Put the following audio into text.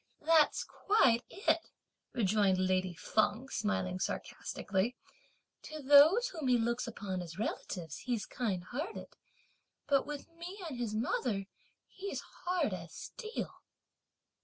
"That's quite it!" rejoined lady Feng smiling sarcastically, "to those whom he looks upon as relatives, he's kindhearted, but with me and his mother he's as hard as steel."